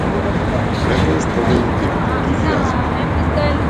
Понекогаш погледот ти е како туѓ јазик.